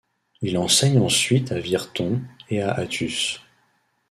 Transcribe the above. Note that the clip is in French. Il enseigne ensuite à Virton et à Athus.